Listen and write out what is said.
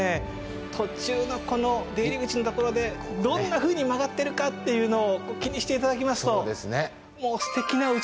途中のこの出入り口の所でどんなふうに曲がってるかというのを気にして頂きますとさあ